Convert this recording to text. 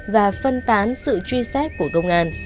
và phân tán sự truy xét của công an